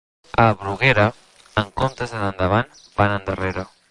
A Bruguera, en comptes d'anar endavant, van endarrere.